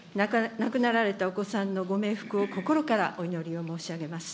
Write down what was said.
亡くなられたお子さんのご冥福を心からお祈りを申し上げます。